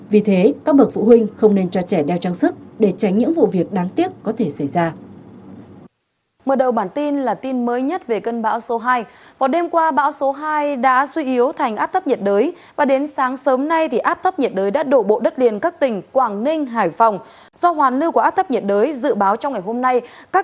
vì thế các bậc phụ huynh không nên cho trẻ đeo trang sức để tránh những vụ việc đáng tiếc có thể xảy ra